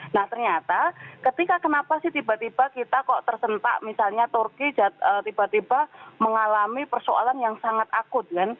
nah ternyata ketika kenapa sih tiba tiba kita kok tersentak misalnya turki tiba tiba mengalami persoalan yang sangat akut kan